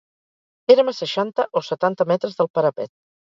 Érem a seixanta o setanta metres del parapet